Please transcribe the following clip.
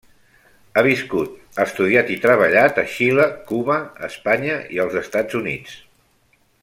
Ha viscut, estudiat i treballat a Xile, Cuba, Espanya i els Estats Units.